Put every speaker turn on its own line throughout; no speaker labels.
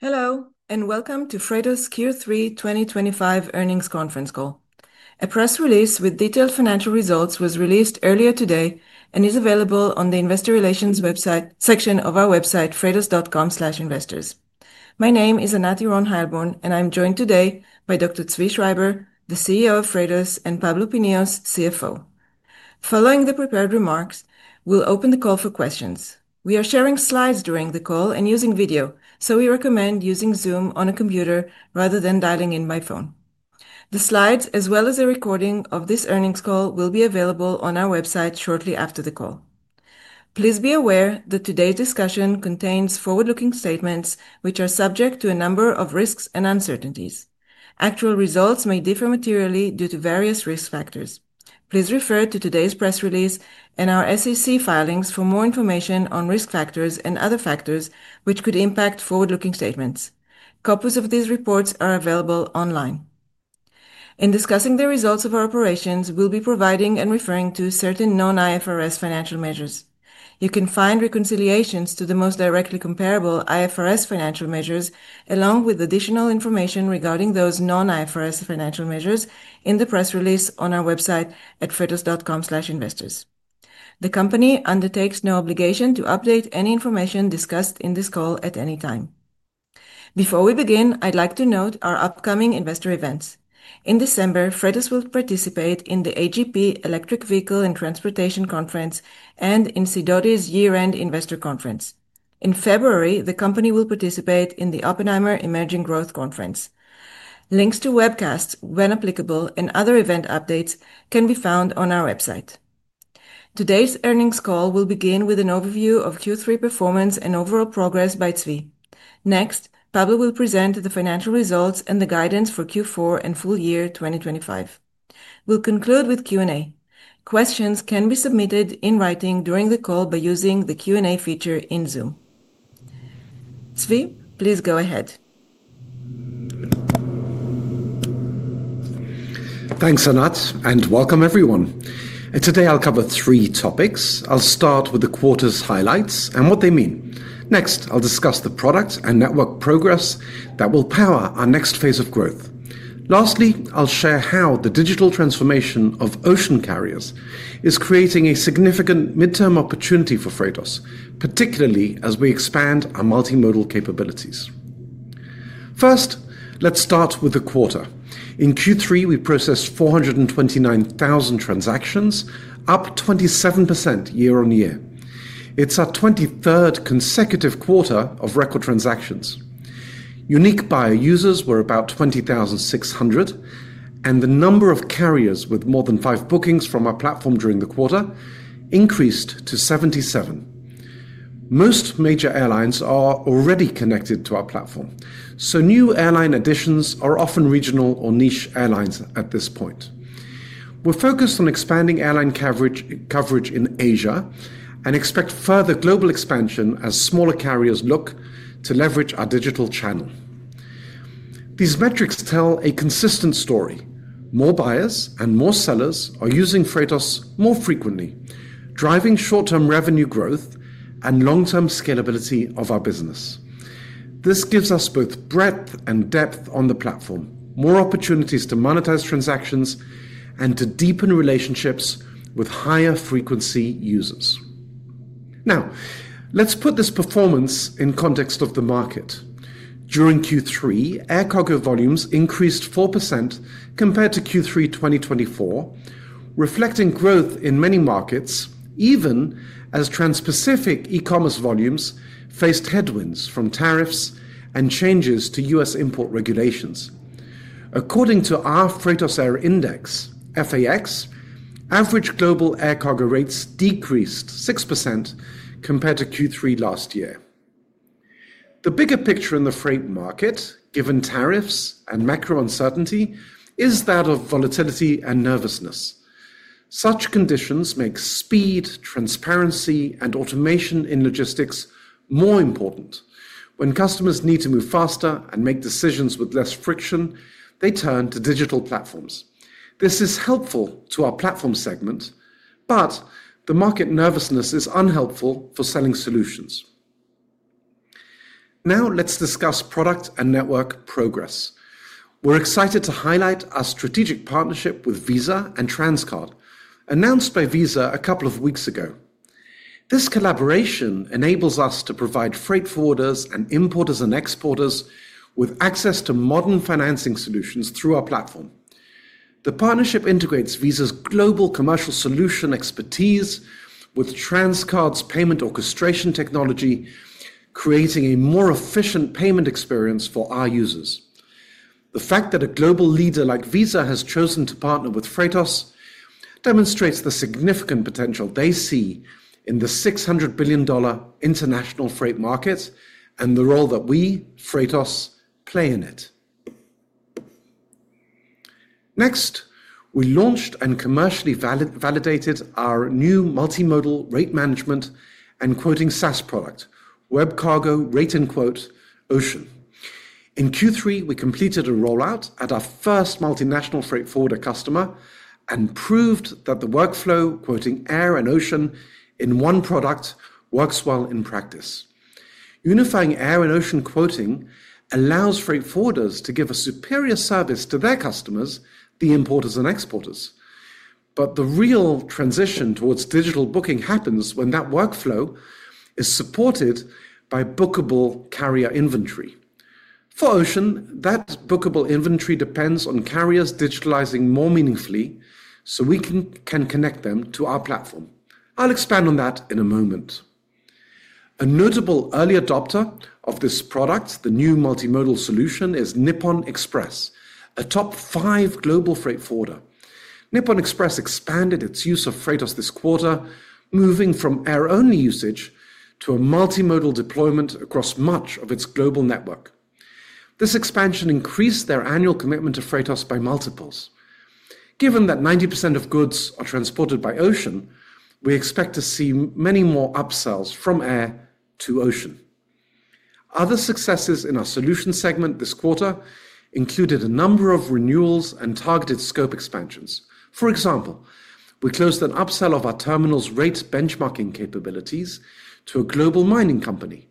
Hello, and welcome to Freightos Q3 2025 earnings conference call. A press release with detailed financial results was released earlier today and is available on the Investor Relations section of our website, freightos.com/investors. My name is Anat Earon-Heilborn, and I'm joined today by Dr. Zvi Schreiber, the CEO of Freightos, and Pablo Pinillos, CFO. Following the prepared remarks, we'll open the call for questions. We are sharing slides during the call and using video, so we recommend using Zoom on a computer rather than dialing in by phone. The slides, as well as a recording of this earnings call, will be available on our website shortly after the call. Please be aware that today's discussion contains forward-looking statements, which are subject to a number of risks and uncertainties. Actual results may differ materially due to various risk factors. Please refer to today's press release and our SEC filings for more information on risk factors and other factors which could impact forward-looking statements. Copies of these reports are available online. In discussing the results of our operations, we'll be providing and referring to certain non-IFRS financial measures. You can find reconciliations to the most directly comparable IFRS financial measures, along with additional information regarding those non-IFRS financial measures, in the press release on our website at freightos.com/investors. The company undertakes no obligation to update any information discussed in this call at any time. Before we begin, I'd like to note our upcoming investor events. In December, Freightos will participate in the A.G.P. Electric Vehicle & Transportation Conference and in Sidoti's Year-End Investor Conference. In February, the company will participate in the Oppenheimer Emerging Growth Conference. Links to webcasts, when applicable, and other event updates can be found on our website. Today's earnings call will begin with an overview of Q3 performance and overall progress by Zvi. Next, Pablo will present the financial results and the guidance for Q4 and full year 2025. We'll conclude with Q&A. Questions can be submitted in writing during the call by using the Q&A feature in Zoom. Zvi, please go ahead.
Thanks, Anat, and welcome, everyone. Today, I'll cover three topics. I'll start with the quarter's highlights and what they mean. Next, I'll discuss the product and network progress that will power our next phase of growth. Lastly, I'll share how the digital transformation of ocean carriers is creating a significant midterm opportunity for Freightos, particularly as we expand our multimodal capabilities. First, let's start with the quarter. In Q3, we processed 429,000 transactions, up 27% year-on-year. It's our 23rd consecutive quarter of record transactions. Unique buyer users were about 20,600, and the number of carriers with more than five bookings from our platform during the quarter increased to 77. Most major airlines are already connected to our platform, so new airline additions are often regional or niche airlines at this point. We're focused on expanding airline coverage in Asia and expect further global expansion as smaller carriers look to leverage our digital channel. These metrics tell a consistent story. More buyers and more sellers are using Freightos more frequently, driving short-term revenue growth and long-term scalability of our business. This gives us both breadth and depth on the platform, more opportunities to monetize transactions, and to deepen relationships with higher-frequency users. Now, let's put this performance in context of the market. During Q3, air cargo volumes increased 4% compared to Q3 2024, reflecting growth in many markets, even as transpacific e-commerce volumes faced headwinds from tariffs and changes to U.S. import regulations. According to our Freightos Air Index, FAX, average global air cargo rates decreased 6% compared to Q3 last year. The bigger picture in the freight market, given tariffs and macro uncertainty, is that of volatility and nervousness. Such conditions make speed, transparency, and automation in logistics more important. When customers need to move faster and make decisions with less friction, they turn to digital platforms. This is helpful to our platform segment, but the market nervousness is unhelpful for selling solutions. Now, let's discuss product and network progress. We're excited to highlight our strategic partnership with Visa and Transcard, announced by Visa a couple of weeks ago. This collaboration enables us to provide freight forwarders and importers and exporters with access to modern financing solutions through our platform. The partnership integrates Visa's global commercial solution expertise with Transcard's payment orchestration technology, creating a more efficient payment experience for our users. The fact that a global leader like Visa has chosen to partner with Freightos demonstrates the significant potential they see in the $600 billion international freight market and the role that we, Freightos, play in it. Next, we launched and commercially validated our new multimodal rate management and quoting SaaS product, WebCargo Rate & Quote Ocean. In Q3, we completed a rollout at our first multinational freight forwarder customer and proved that the workflow quoting air and ocean in one product works well in practice. Unifying air and ocean quoting allows freight forwarders to give a superior service to their customers, the importers and exporters. The real transition towards digital booking happens when that workflow is supported by bookable carrier inventory. For ocean, that bookable inventory depends on carriers digitalizing more meaningfully so we can connect them to our platform. I'll expand on that in a moment. A notable early adopter of this product, the new multimodal solution, is Nippon Express, a top five global freight forwarder. Nippon Express expanded its use of Freightos this quarter, moving from air-only usage to a multimodal deployment across much of its global network. This expansion increased their annual commitment to Freightos by multiples. Given that 90% of goods are transported by ocean, we expect to see many more upsells from air to ocean. Other successes in our solution segment this quarter included a number of renewals and targeted scope expansions. For example, we closed an upsell of our terminal's rate benchmarking capabilities to a global mining company,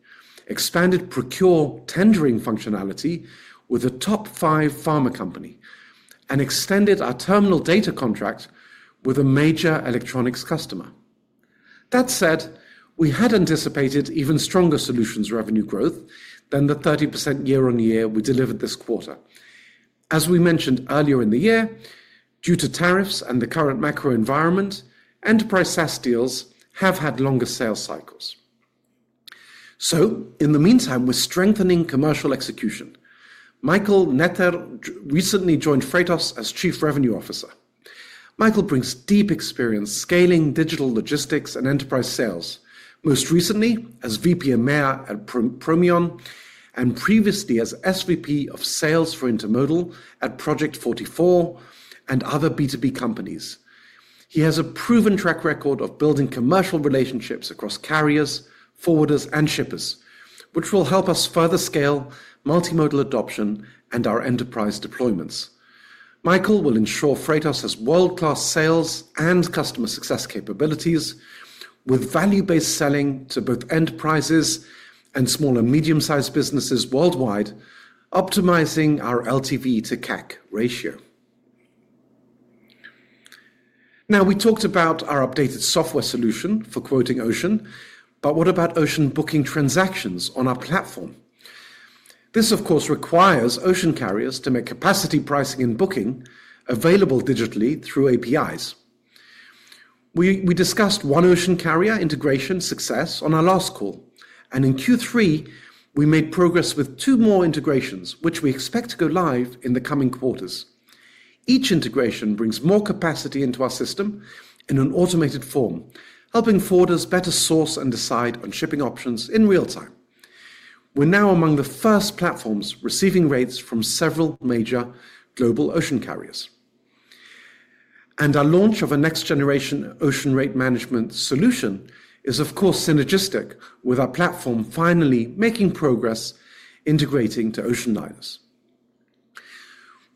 expanded procure tendering functionality with a top five pharma company, and extended our terminal data contract with a major electronics customer. That said, we had anticipated even stronger solutions revenue growth than the 30% year-on-year we delivered this quarter. As we mentioned earlier in the year, due to tariffs and the current macro environment, enterprise SaaS deals have had longer sales cycles. In the meantime, we're strengthening commercial execution. Michael Netter recently joined Freightos as Chief Revenue Officer. Michael brings deep experience scaling digital logistics and enterprise sales, most recently as VVP of EMEA at Proemion and previously as SVP of Sales for Intermodal at project44 and other B2B companies. He has a proven track record of building commercial relationships across carriers, forwarders, and shippers, which will help us further scale multimodal adoption and our enterprise deployments. Michael will ensure Freightos has world-class sales and customer success capabilities with value-based selling to both enterprises and small and medium-sized businesses worldwide, optimizing our LTV to CAC ratio. Now, we talked about our updated software solution for quoting Ocean, but what about ocean booking transactions on our platform? This, of course, requires ocean carriers to make capacity pricing and booking available digitally through APIs. We discussed one ocean carrier integration success on our last call, and in Q3, we made progress with two more integrations, which we expect to go live in the coming quarters. Each integration brings more capacity into our system in an automated form, helping forwarders better source and decide on shipping options in real time. We're now among the first platforms receiving rates from several major global ocean carriers. Our launch of a next-generation ocean rate management solution is, of course, synergistic with our platform finally making progress integrating to ocean liners.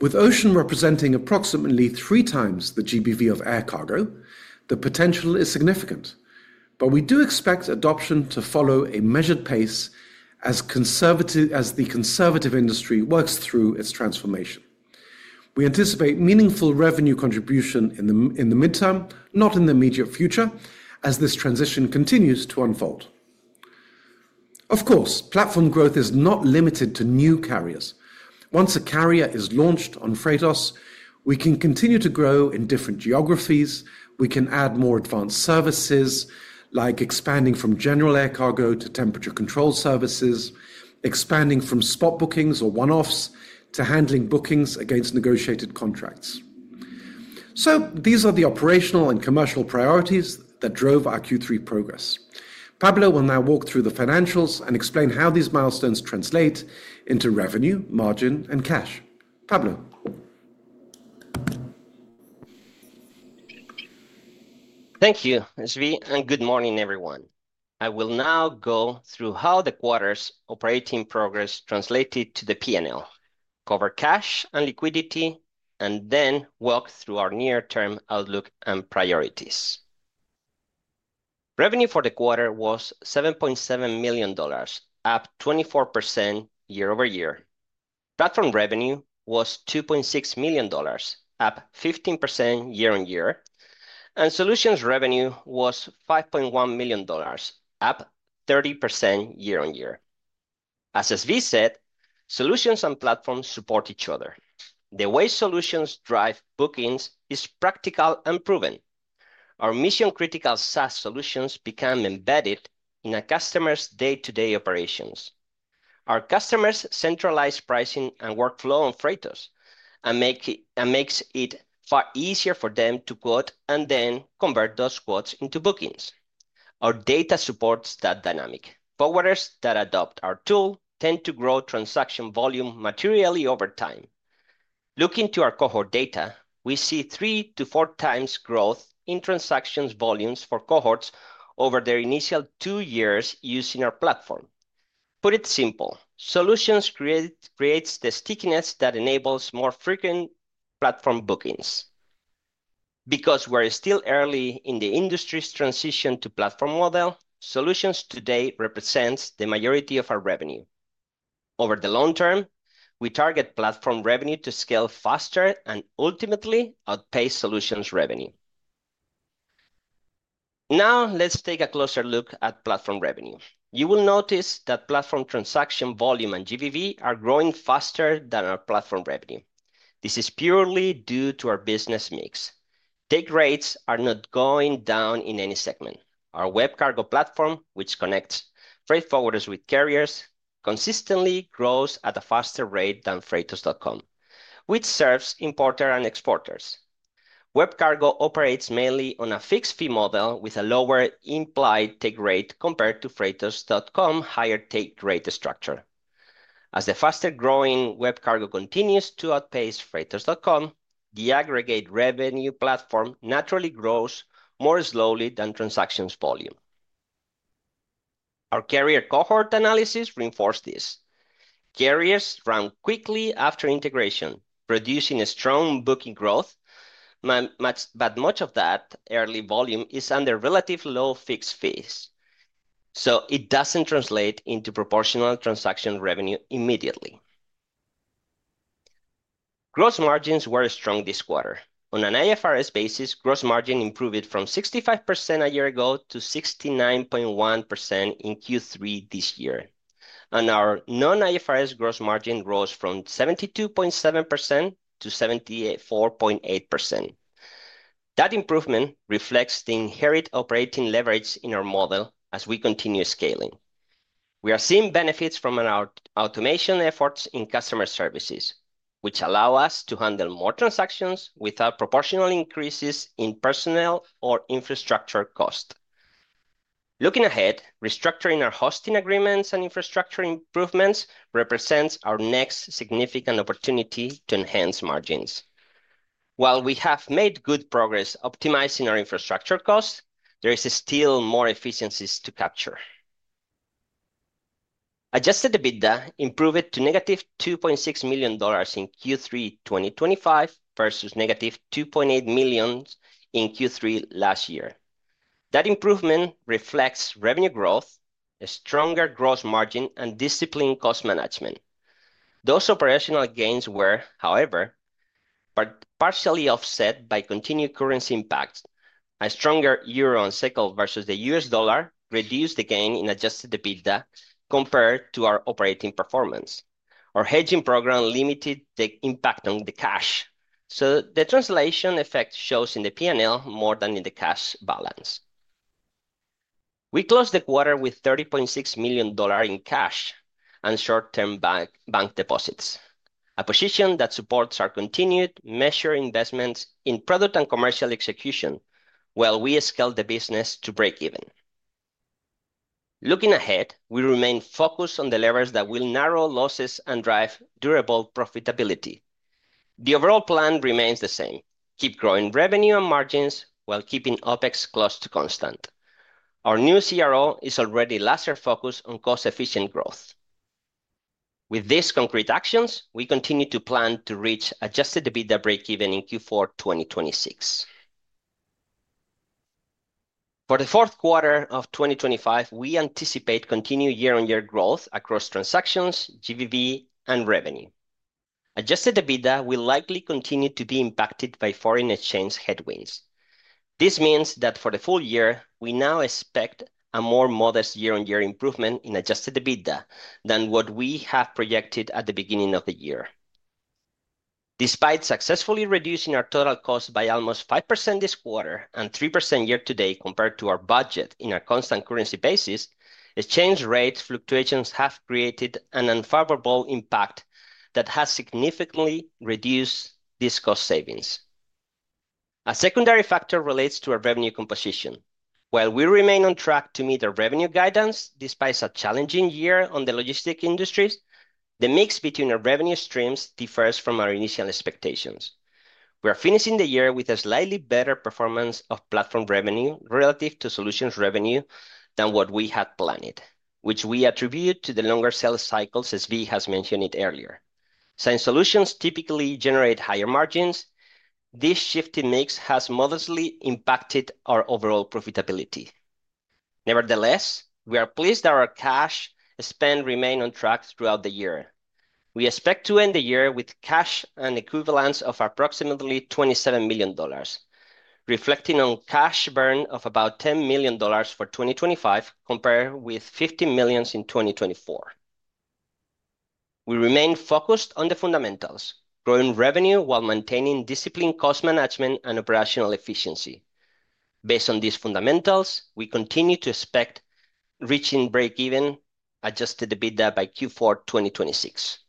With ocean representing approximately three times the GBV of air cargo, the potential is significant, but we do expect adoption to follow a measured pace as the conservative industry works through its transformation. We anticipate meaningful revenue contribution in the midterm, not in the immediate future, as this transition continues to unfold. Of course, platform growth is not limited to new carriers. Once a carrier is launched on Freightos, we can continue to grow in different geographies. We can add more advanced services, like expanding from general air cargo to temperature control services, expanding from spot bookings or one-offs to handling bookings against negotiated contracts. These are the operational and commercial priorities that drove our Q3 progress. Pablo will now walk through the financials and explain how these milestones translate into revenue, margin, and cash. Pablo.
Thank you, Zvi, and good morning, everyone. I will now go through how the quarter's operating progress translated to the P&L, cover cash and liquidity, and then walk through our near-term outlook and priorities. Revenue for the quarter was $7.7 million, up 24% year-over-year. Platform revenue was $2.6 million, up 15% year-on-year, and solutions revenue was $5.1 million, up 30% year-on-year. As Zvi said, solutions and platforms support each other. The way solutions drive bookings is practical and proven. Our mission-critical SaaS solutions become embedded in a customer's day-to-day operations. Our customers centralize pricing and workflow on Freightos and it makes it far easier for them to quote and then convert those quotes into bookings. Our data supports that dynamic. Forwarders that adopt our tool tend to grow transaction volume materially over time. Looking to our cohort data, we see three to four times growth in transaction volumes for cohorts over their initial two years using our platform. Put it simply, solutions create the stickiness that enables more frequent platform bookings. Because we're still early in the industry's transition to platform model, solutions today represent the majority of our revenue. Over the long term, we target platform revenue to scale faster and ultimately outpace solutions revenue. Now, let's take a closer look at platform revenue. You will notice that platform transaction volume and GBV are growing faster than our platform revenue. This is purely due to our business mix. Take rates are not going down in any segment. Our WebCargo platform, which connects freight forwarders with carriers, consistently grows at a faster rate than Freightos.com, which serves importers and exporters. WebCargo operates mainly on a fixed fee model with a lower implied take rate compared to Freightos.com's higher take rate structure. As the faster-growing WebCargo continues to outpace Freightos.com, the aggregate revenue platform naturally grows more slowly than transactions volume. Our carrier cohort analysis reinforced this. Carriers round quickly after integration, producing a strong booking growth, but much of that early volume is under relatively low fixed fees, so it does not translate into proportional transaction revenue immediately. Gross margins were strong this quarter. On an IFRS basis, gross margin improved from 65% a year ago to 69.1% in Q3 this year, and our non-IFRS gross margin rose from 72.7% to 74.8%. That improvement reflects the inherent operating leverage in our model as we continue scaling. We are seeing benefits from our automation efforts in customer services, which allow us to handle more transactions without proportional increases in personnel or infrastructure cost. Looking ahead, restructuring our hosting agreements and infrastructure improvements represents our next significant opportunity to enhance margins. While we have made good progress optimizing our infrastructure cost, there are still more efficiencies to capture. Adjusted EBITDA improved to -$2.6 million in Q3 2025 versus -$2.8 million in Q3 last year. That improvement reflects revenue growth, a stronger gross margin, and disciplined cost management. Those operational gains were, however, partially offset by continued currency impacts. A stronger euro on cycle versus the U.S. dollar reduced the gain in adjusted EBITDA compared to our operating performance. Our hedging program limited the impact on the cash, so the translation effect shows in the P&L more than in the cash balance. We closed the quarter with $30.6 million in cash and short-term bank deposits, a position that supports our continued measured investments in product and commercial execution while we scale the business to break-even. Looking ahead, we remain focused on the levers that will narrow losses and drive durable profitability. The overall plan remains the same: keep growing revenue and margins while keeping OpEx close to constant. Our new CRO is already laser-focused on cost-efficient growth. With these concrete actions, we continue to plan to reach adjusted EBITDA break-even in Q4 2026. For the fourth quarter of 2025, we anticipate continued year-on-year growth across transactions, GBV, and revenue. Adjusted EBITDA will likely continue to be impacted by foreign exchange headwinds. This means that for the full year, we now expect a more modest year-on-year improvement in adjusted EBITDA than what we have projected at the beginning of the year. Despite successfully reducing our total cost by almost 5% this quarter and 3% year-to-date compared to our budget in a constant currency basis, exchange rate fluctuations have created an unfavorable impact that has significantly reduced these cost savings. A secondary factor relates to our revenue composition. While we remain on track to meet our revenue guidance despite such a challenging year on the logistics industries, the mix between our revenue streams differs from our initial expectations. We are finishing the year with a slightly better performance of platform revenue relative to solutions revenue than what we had planned, which we attribute to the longer sales cycles, as Zvi has mentioned it earlier. Since solutions typically generate higher margins, this shift in mix has modestly impacted our overall profitability. Nevertheless, we are pleased that our cash spend remained on track throughout the year. We expect to end the year with cash and equivalents of approximately $27 million, reflecting on a cash burn of about $10 million for 2025 compared with $15 million in 2024. We remain focused on the fundamentals, growing revenue while maintaining disciplined cost management and operational efficiency. Based on these fundamentals, we continue to expect reaching break-even adjusted EBITDA by Q4 2026.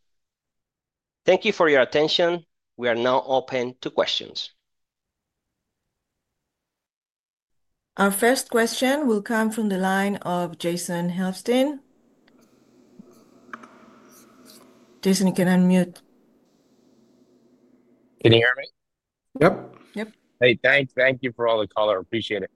Thank you for your attention. We are now open to questions.
Our first question will come from the line of Jason Helfstein. Jason, you can unmute.
Can you hear me?
Yep.
Yep.
Hey, thanks. Thank you for all the color. I appreciate it.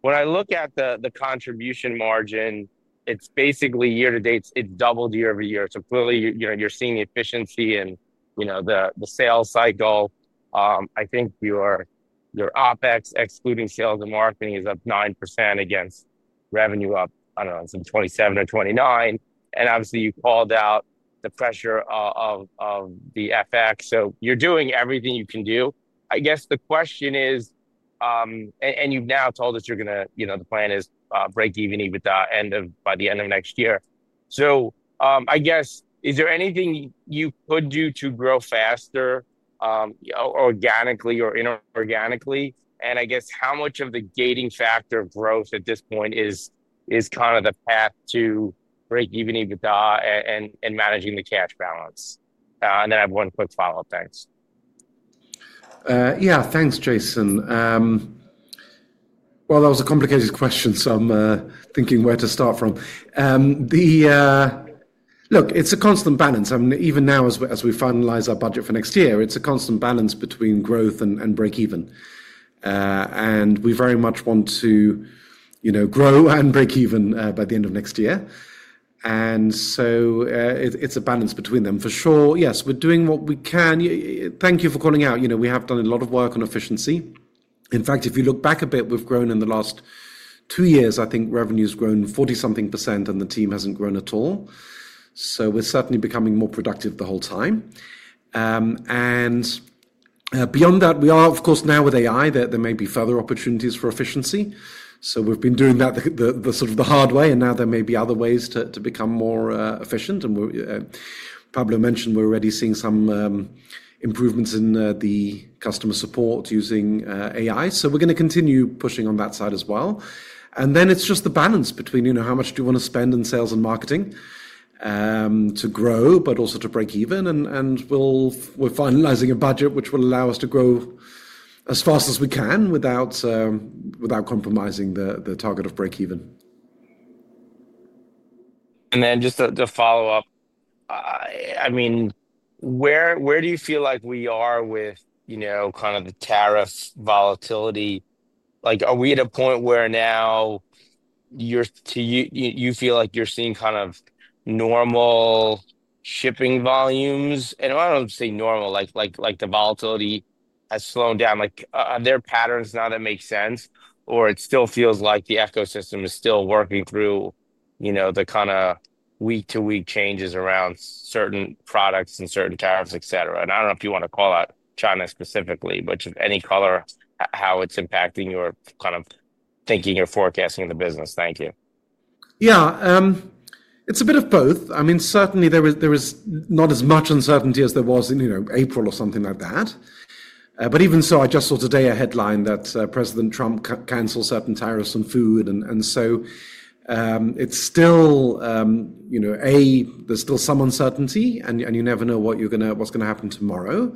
When I look at the contribution margin, it's basically year-to-date, it's doubled year-over-year. Clearly, you know, you're seeing efficiency and, you know, the sales cycle. I think your OpEx, excluding sales and marketing, is up 9% against revenue up, I don't know, some 27% or 29%. Obviously, you called out the pressure of the FX, so you're doing everything you can do. I guess the question is, and you've now told us you're going to, you know, the plan is break-even EBITDA by the end of next year. I guess, is there anything you could do to grow faster, organically or inorganically? I guess how much of the gating factor of growth at this point is kind of the path to break-even EBITDA and managing the cash balance? and then I have one quick follow-up. Thanks.
Yeah, thanks, Jason. That was a complicated question, so I'm thinking where to start from. Look, it's a constant balance. I mean, even now, as we finalize our budget for next year, it's a constant balance between growth and break-even. We very much want to, you know, grow and break-even by the end of next year. It's a balance between them. For sure, yes, we're doing what we can. Thank you for calling out. You know, we have done a lot of work on efficiency. In fact, if you look back a bit, we've grown in the last two years. I think revenue has grown 40-something percent, and the team hasn't grown at all. We're certainly becoming more productive the whole time. Beyond that, we are, of course, now with AI, there may be further opportunities for efficiency. We've been doing that the sort of the hard way, and now there may be other ways to become more efficient. Pablo mentioned we're already seeing some improvements in the customer support using AI. We're going to continue pushing on that side as well. It's just the balance between, you know, how much do you want to spend in sales and marketing to grow, but also to break-even. We're finalizing a budget which will allow us to grow as fast as we can without compromising the target of break-even.
Just to follow up, I mean, where do you feel like we are with, you know, kind of the tariff volatility? Like, are we at a point where now you feel like you're seeing kind of normal shipping volumes? I don't say normal like the volatility has slowed down. Are there patterns now that make sense, or it still feels like the ecosystem is still working through, you know, the kind of week-to-week changes around certain products and certain tariffs, etc.? I don't know if you want to call out China specifically, but just any color, how it's impacting your kind of thinking or forecasting of the business? Thank you.
Yeah, it's a bit of both. I mean, certainly, there was not as much uncertainty as there was in, you know, April or something like that. But even so, I just saw today a headline that President Trump canceled certain tariffs on food. And so, it's still, you know, A, there's still some uncertainty, and you never know what's going to happen tomorrow.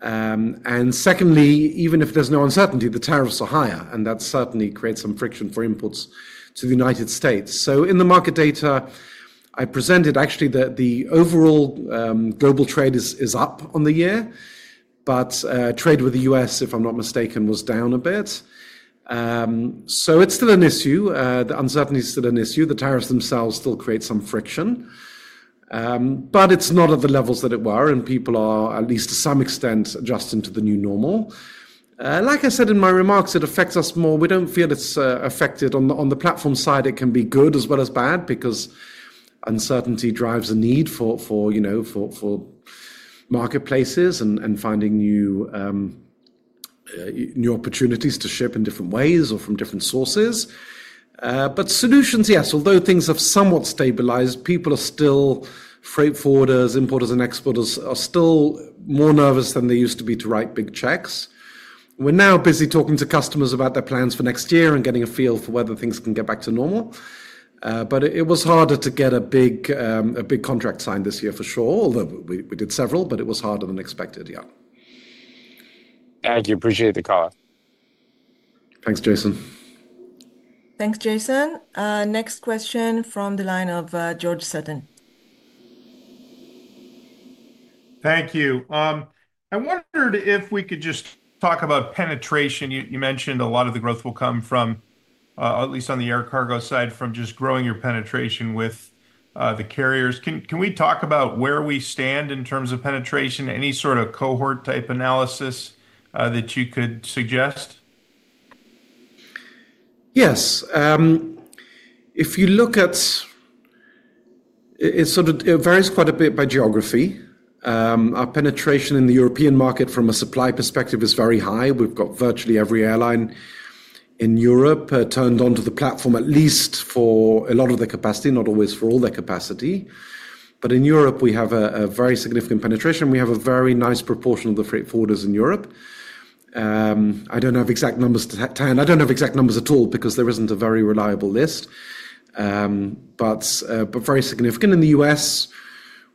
And secondly, even if there's no uncertainty, the tariffs are higher, and that certainly creates some friction for imports to the United States. In the market data, I presented actually that the overall global trade is up on the year, but trade with the U.S., if I'm not mistaken, was down a bit. It's still an issue. The uncertainty is still an issue. The tariffs themselves still create some friction. but it's not at the levels that it were, and people are, at least to some extent, adjusting to the new normal. Like I said in my remarks, it affects us more. We don't feel it's affected. On the platform side, it can be good as well as bad because uncertainty drives a need for, you know, for marketplaces and finding new, new opportunities to ship in different ways or from different sources. Solutions, yes, although things have somewhat stabilized, people are still freight forwarders, importers, and exporters are still more nervous than they used to be to write big checks. We're now busy talking to customers about their plans for next year and getting a feel for whether things can get back to normal. It was harder to get a big contract signed this year for sure, although we did several, but it was harder than expected, yeah.
Thank you. Appreciate the call.
Thanks, Jason.
Thanks, Jason. Next question from the line of George Sutton.
Thank you. I wondered if we could just talk about penetration. You mentioned a lot of the growth will come from, at least on the air cargo side, from just growing your penetration with the carriers. Can we talk about where we stand in terms of penetration? Any sort of cohort-type analysis that you could suggest?
Yes. If you look at it, it sort of varies quite a bit by geography. Our penetration in the European market from a supply perspective is very high. We've got virtually every airline in Europe turned onto the platform, at least for a lot of the capacity, not always for all their capacity. In Europe, we have a very significant penetration. We have a very nice proportion of the freight forwarders in Europe. I don't have exact numbers to tell you. I don't have exact numbers at all because there isn't a very reliable list, but very significant. In the U.S.,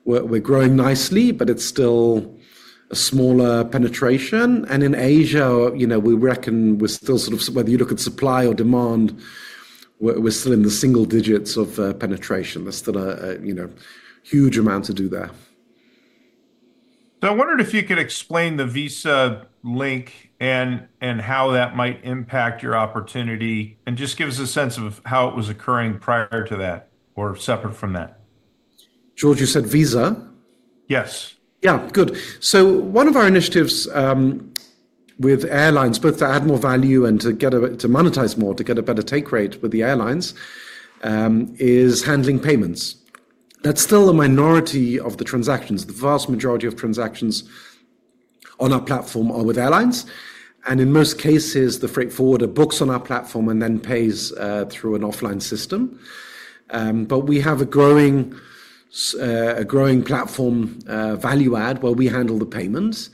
we're growing nicely, but it's still a smaller penetration. In Asia, you know, we reckon we're still sort of, whether you look at supply or demand, we're still in the single digits of penetration. There's still a, you know, huge amount to do there.
I wondered if you could explain the Visa link and how that might impact your opportunity? and just give us a sense of how it was occurring prior to that or separate from that?
George, you said Visa?
Yes.
Yeah, good. One of our initiatives with airlines, both to add more value and to monetize more, to get a better take rate with the airlines, is handling payments. That's still a minority of the transactions. The vast majority of transactions on our platform are with airlines. In most cases, the freight forwarder books on our platform and then pays through an offline system. We have a growing platform value add where we handle the payments.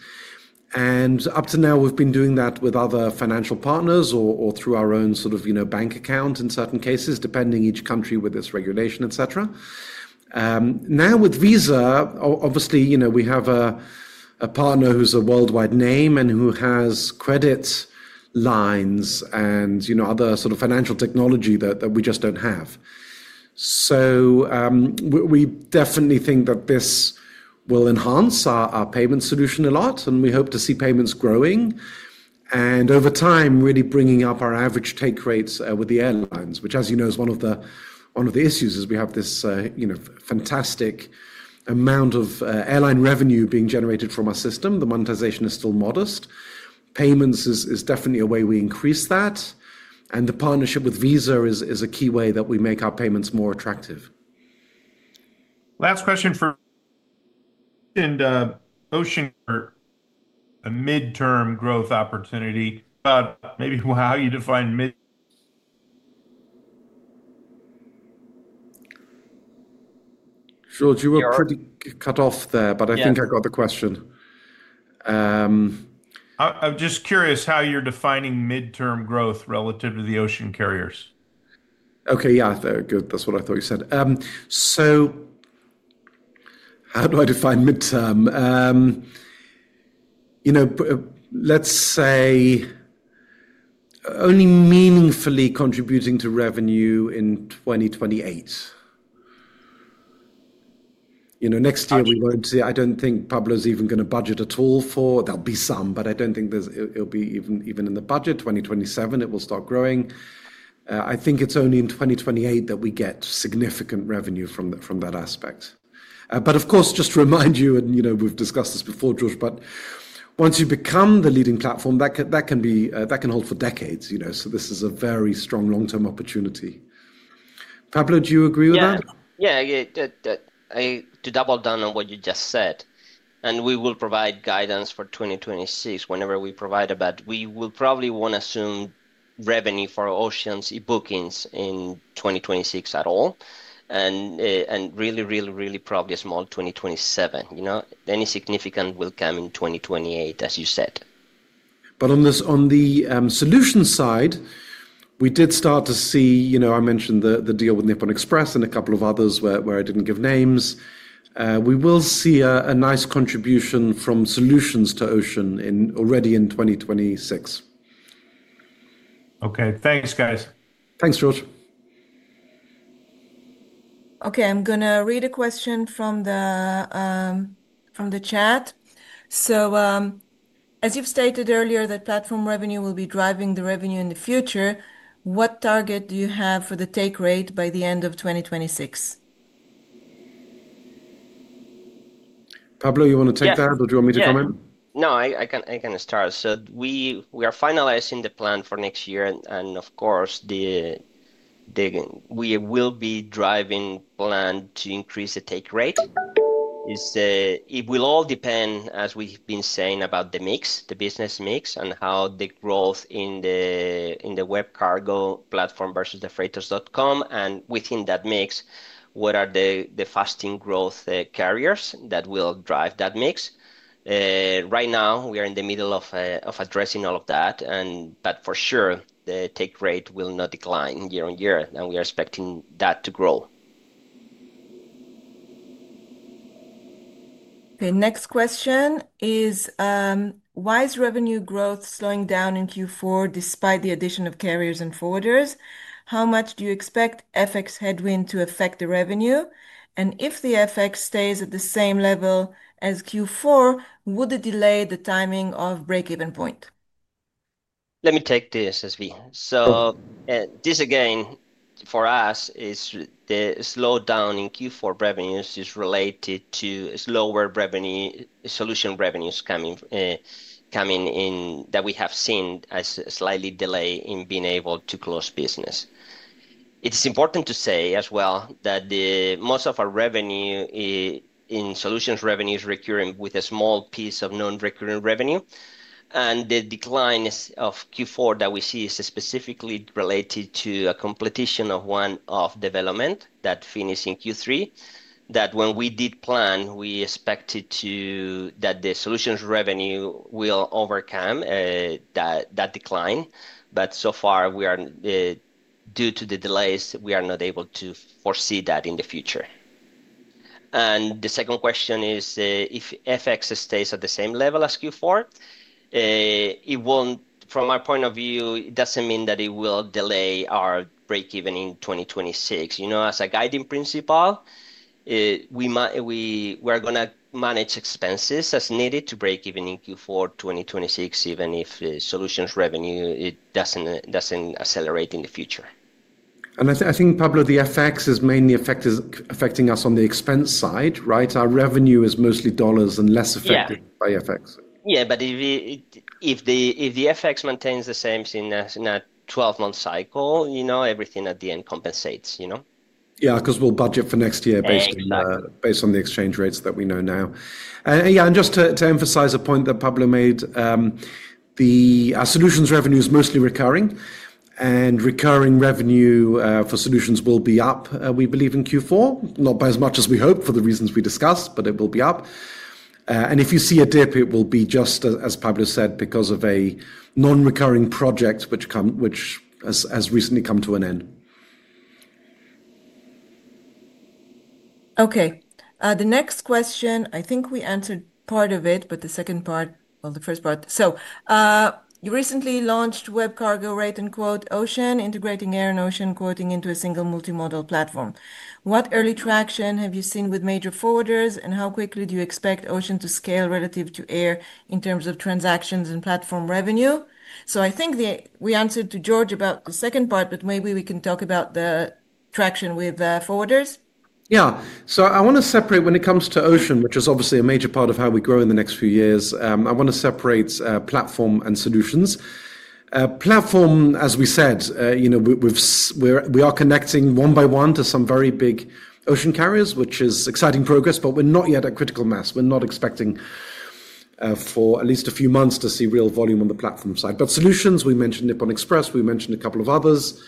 Up to now, we've been doing that with other financial partners or through our own sort of, you know, bank account in certain cases, depending on each country with its regulation, etc. Now with Visa, obviously, you know, we have a partner who's a worldwide name and who has credit lines and, you know, other sort of financial technology that we just don't have. We definitely think that this will enhance our payment solution a lot, and we hope to see payments growing and over time really bringing up our average take rates with the airlines, which, as you know, is one of the issues. We have this, you know, fantastic amount of airline revenue being generated from our system. The monetization is still modest. Payments is definitely a way we increase that. The partnership with Visa is a key way that we make our payments more attractive.
Last question for Jason and, Ocean, for a midterm growth opportunity. About maybe how you define midterm.
George, you were pretty cut off there, but I think I got the question.
I'm just curious how you're defining midterm growth relative to the ocean carriers?
Okay, yeah, good. That's what I thought you said. So how do I define midterm? You know, let's say only meaningfully contributing to revenue in 2028. You know, next year we won't see, I don't think Pablo's even going to budget at all for, there'll be some, but I don't think there's, it'll be even in the budget. 2027, it will start growing. I think it's only in 2028 that we get significant revenue from that aspect. Of course, just to remind you, and you know, we've discussed this before, George, but once you become the leading platform, that can hold for decades, you know, so this is a very strong long-term opportunity. Pablo, do you agree with that?
Yeah, to double down on what you just said, we will provide guidance for 2026 whenever we provide a bet. We probably won't assume revenue for ocean e-bookings in 2026 at all, and really, probably a small 2027. You know, any significant will come in 2028, as you said.
On the solution side, we did start to see, you know, I mentioned the deal with Nippon Express and a couple of others where I didn't give names. We will see a nice contribution from solutions to ocean already in 2026.
Okay, thanks, guys.
Thanks, George.
Okay, I'm going to read a question from the, from the chat. So, as you've stated earlier, that platform revenue will be driving the revenue in the future. What target do you have for the take rate by the end of 2026?
Pablo, you want to take that or do you want me to comment?
No, I can start. We are finalizing the plan for next year, and of course, we will be driving plan to increase the take rate. It will all depend, as we've been saying, about the mix, the business mix, and how the growth in the WebCargo platform versus the freightos.com, and within that mix, what are the fasting growth carriers that will drive that mix. Right now, we are in the middle of addressing all of that, but for sure, the take rate will not decline year-on-year, and we are expecting that to grow.
The next question is, why is revenue growth slowing down in Q4 despite the addition of carriers and forwarders? How much do you expect FX headwind to affect the revenue? If the FX stays at the same level as Q4, would it delay the timing of break-even point?
Let me take this as well. This again, for us, is the slowdown in Q4 revenues is related to slower solutions revenues coming in that we have seen as a slight delay in being able to close business. It's important to say as well that most of our revenue in solutions revenues is recurring with a small piece of non-recurring revenue, and the decline of Q4 that we see is specifically related to a completion of one development that finished in Q3. When we did plan, we expected that the solutions revenue would overcome that decline, but so far, due to the delays, we are not able to foresee that in the future. The second question is, if FX stays at the same level as Q4, it won't, from my point of view, it doesn't mean that it will delay our break-even in 2026. You know, as a guiding principle, we might, we're going to manage expenses as needed to break-even in Q4 2026, even if the solutions revenue, it doesn't accelerate in the future.
I think, Pablo, the FX is mainly affecting us on the expense side, right? Our revenue is mostly dollars and less affected by FX.
Yeah, if the FX maintains the same thing as in a 12-month cycle, you know, everything at the end compensates, you know?
Yeah, because we'll budget for next year based on the exchange rates that we know now. Yeah, and just to emphasize a point that Pablo made, the solutions revenue is mostly recurring, and recurring revenue for solutions will be up, we believe, in Q4, not by as much as we hope for the reasons we discussed, but it will be up. If you see a dip, it will be just as Pablo said, because of a non-recurring project which has recently come to an end.
Okay, the next question, I think we answered part of it, but the second part, well, the first part. You recently launched WebCargo Rate & Quote Ocean, integrating air and ocean quoting into a single multimodal platform. What early traction have you seen with major forwarders? and how quickly do you expect ocean to scale relative to air in terms of transactions and platform revenue? I think we answered to George about the second part, but maybe we can talk about the traction with forwarders.
Yeah, I want to separate when it comes to ocean, which is obviously a major part of how we grow in the next few years, I want to separate platform and solutions. Platform, as we said, you know, we are connecting one-by-one to some very big ocean carriers, which is exciting progress, but we're not yet at critical mass. We're not expecting for at least a few months to see real volume on the platform side. Solutions, we mentioned Nippon Express, we mentioned a couple of others.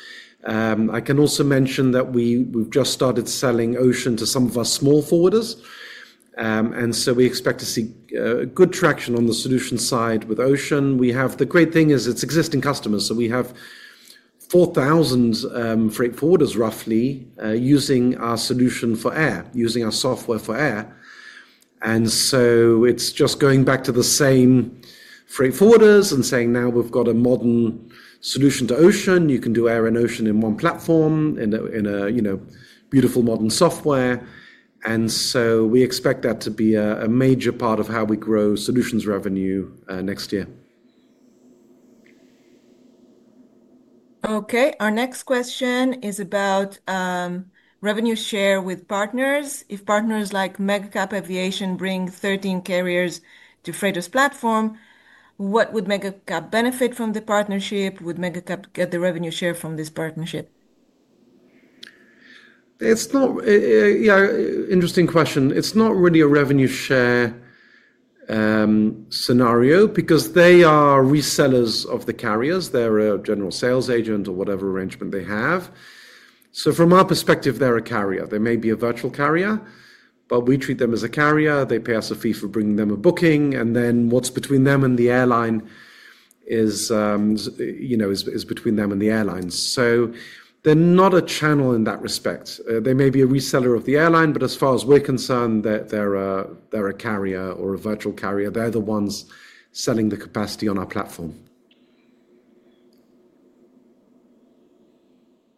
I can also mention that we've just started selling ocean to some of our small forwarders. We expect to see good traction on the solution side with ocean. The great thing is it's existing customers. We have 4,000 freight forwarders, roughly, using our solution for air, using our software for air. It is just going back to the same freight forwarders and saying, now we have got a modern solution to ocean. You can do air and ocean in one platform in a, you know, beautiful modern software. We expect that to be a major part of how we grow solutions revenue next year.
Okay, our next question is about revenue share with partners. If partners like Megacap Aviation bring 13 carriers to Freightos platform, what would Megacap benefit from the partnership? Would Megacap get the revenue share from this partnership?
It's not, yeah, interesting question. It's not really a revenue share scenario because they are resellers of the carriers. They're a general sales agent or whatever arrangement they have. From our perspective, they're a carrier. They may be a virtual carrier, but we treat them as a carrier. They pay us a fee for bringing them a booking. What's between them and the airline is, you know, is between them and the airlines. They're not a channel in that respect. They may be a reseller of the airline, but as far as we're concerned, they're a carrier or a virtual carrier. They're the ones selling the capacity on our platform.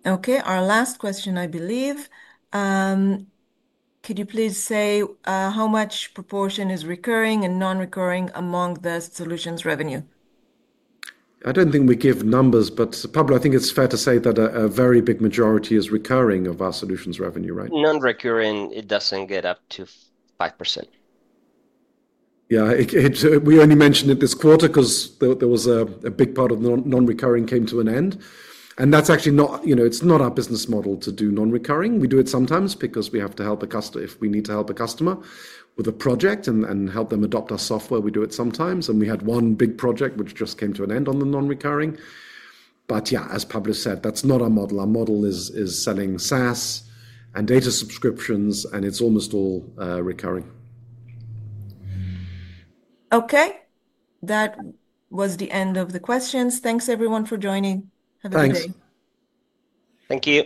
Okay, our last question, I believe. Could you please say how much proportion is recurring and non-recurring among the solutions revenue?
I don't think we give numbers, but Pablo, I think it's fair to say that a very big majority is recurring of our solutions revenue, right?
Non-recurring, it doesn't get up to 5%.
Yeah, we only mentioned it this quarter because there was a big part of non-recurring came to an end. That's actually not, you know, it's not our business model to do non-recurring. We do it sometimes because we have to help a customer if we need to help a customer with a project and help them adopt our software. We do it sometimes. We had one big project which just came to an end on the non-recurring. Yeah, as Pablo said, that's not our model. Our model is selling SaaS and data subscriptions, and it's almost all recurring.
Okay, that was the end of the questions. Thanks, everyone, for joining. Have a good day.
Thank you.